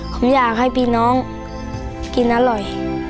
ผมอยากให้พี่น้องกินอร่อย